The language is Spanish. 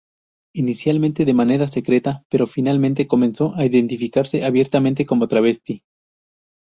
Inicialmente de manera secreta, pero finalmente comenzó a identificarse abiertamente como travesti.